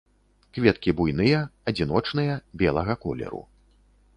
Кветкі буйныя, адзіночныя, белага колеру.